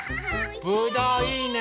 ぶどういいね！